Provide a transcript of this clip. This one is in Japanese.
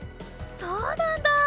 そうなんだ！